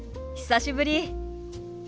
久しぶり。